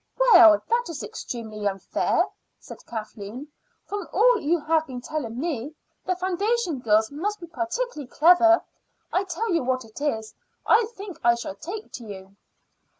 "Well, it is extremely unfair," said Kathleen. "From all you have been telling me, the foundation girls must be particularly clever. I tell you what it is: I think I shall take to you."